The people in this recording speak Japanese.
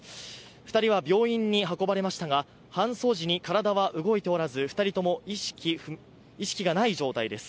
２人は病院に運ばれましたが、搬送時に体は動いておらず２人とも意識がない状態です。